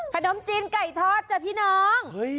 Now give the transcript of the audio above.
ขนมจีนไก่ทอดจ้ะพี่น้อง